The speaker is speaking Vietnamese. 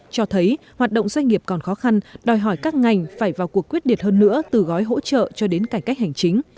cho thấy hoạt động doanh nghiệp còn khó khăn đòi hỏi các ngành phải vào cuộc quyết điệt hơn nữa từ gói hỗ trợ cho đến cải cách hành chính